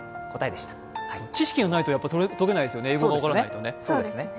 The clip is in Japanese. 知識がないと解けないですてよね、英語が分からないとね。